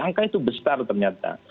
angka itu besar ternyata